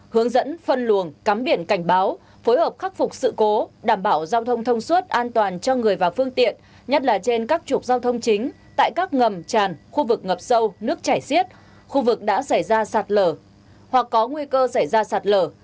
hướng dẫn phân luồng cắm biển cảnh báo phối hợp khắc phục sự cố đảm bảo giao thông thông suốt an toàn cho người và phương tiện nhất là trên các trục giao thông chính tại các ngầm tràn khu vực ngập sâu nước chảy xiết khu vực đã xảy ra sạt lở hoặc có nguy cơ xảy ra sạt lở